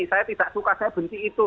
saya tidak suka saya benci itu